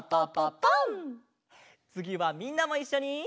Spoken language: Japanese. つぎはみんなもいっしょに！